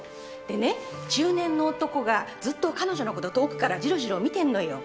でね中年の男がずっと彼女の事遠くからじろじろ見てるのよ。